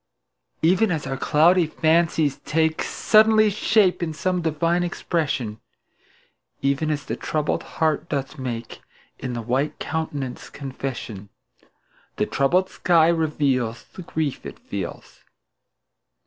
Even as our cloudy fancies take Suddenly shape in some divine expression, Even as the troubled heart doth make In the white countenance confession, The troubled sky reveals The grief it feels.